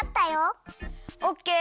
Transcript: オッケー！